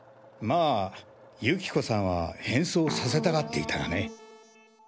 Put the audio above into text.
まぁ有希子さんは変装させたがっていたがね。